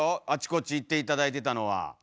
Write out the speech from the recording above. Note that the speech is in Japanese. あちこち行って頂いてたのは。